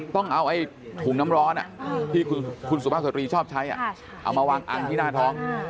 ต้องเอาถุงน้ำร้อนที่คุณสุภาพสตรีชอบใช้เอามาวางอังที่หน้าท้อง